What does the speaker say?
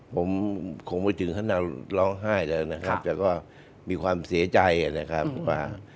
ผมคงไม่ถึงขนาดร้องไห้แล้วนะครับแต่ก็มีความเสียใจนะครับว่า